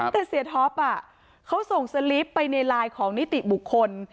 แต่เสียท็อปเขาส่งสลิปไปในไลน์ของนิติบุคคล